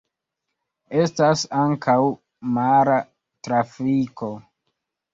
Estas ankaŭ mara trafiko.